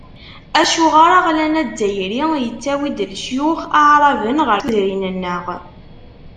Acuɣer aɣlan azzayri yettawi-d lecyux aɛraben ɣer tudrin-nneɣ?